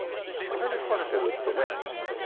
風に吹かれてるってね。